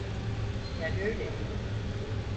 Ben öyleyim.